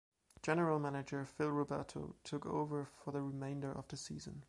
General manager Phil Roberto took over for the remainder of the season.